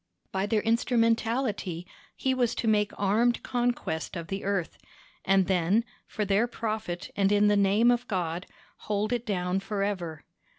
By their instrumentality he was to make armed conquest of the earth, and then, for their profit and in the name of God, hold it down forever.